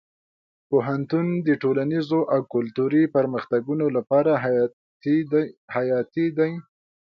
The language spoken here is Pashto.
پوهنتون د ټولنیزو او کلتوري پرمختګونو لپاره حیاتي دی.